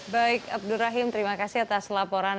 baik abdur rahim terima kasih atas laporan